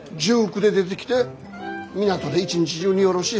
１９で出てきて港で一日中荷降ろし。